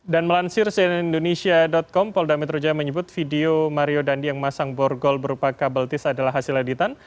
dan melansir cnn indonesia com polda metro jaya menyebut video mario dandi yang memasang borgol berupa kabel t adalah hasil editan